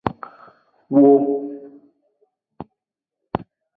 Wo.